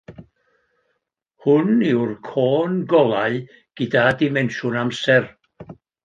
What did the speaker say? Hwn yw'r côn golau gyda dimensiwn amser.